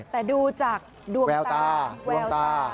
แต่ดูจากดวงตาแววตา